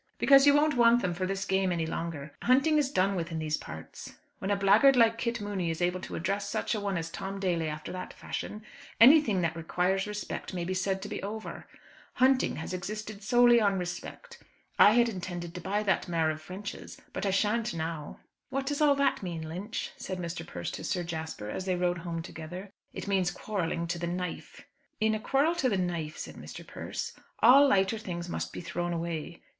"Because you won't want them for this game any longer. Hunting is done with in these parts. When a blackguard like Kit Mooney is able to address such a one as Tom Daly after that fashion, anything that requires respect may be said to be over. Hunting has existed solely on respect. I had intended to buy that mare of French's, but I shan't now." "What does all that mean, Lynch?" said Mr. Persse to Sir Jasper, as they rode home together. "It means quarrelling to the knife." "In a quarrel to the knife," said Mr. Persse, "all lighter things must be thrown away.